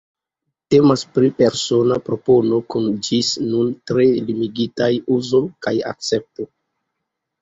Temas pri persona propono, kun ĝis nun tre limigitaj uzo kaj akcepto.